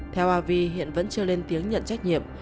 theo avi hiện vẫn chưa lên tiếng nhận trách nhiệm